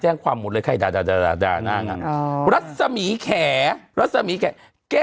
แจ้งความมุดเลยแค่ระวักษรแสวิติแขน